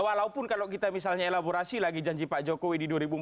walaupun kalau kita misalnya elaborasi lagi janji pak jokowi di dua ribu empat belas